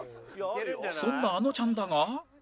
そんなあのちゃんだが